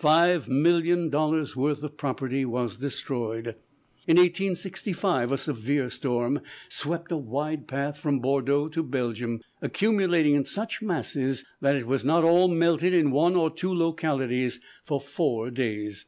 Five million dollars worth of property was destroyed. In 1865 a severe storm swept a wide path from Bordeaux to Belgium, accumulating in such masses that it was not all melted in one or two localities for four days.